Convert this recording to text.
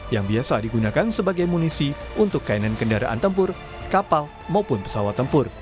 yang biasa digunakan sebagai munisi untuk kainan kendaraan tempur kapal maupun pesawat tempur